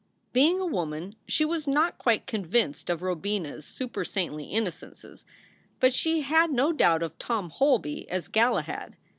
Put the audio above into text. Being a woman, she was not quite convinced of Robina s supersaintly innocences, but she had no doubt of Tom Holby as Galahad.